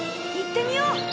行ってみよう。